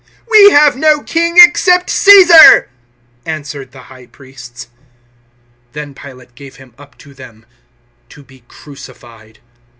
"We have no king, except Caesar," answered the High Priests. 019:016 Then Pilate gave Him up to them to be crucified.